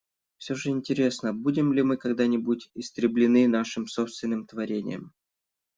Всё же интересно, будем ли мы когда-нибудь истреблены нашим собственным творением.